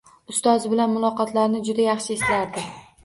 Ustozi bilan muloqotlarini juda yaxshi eslardi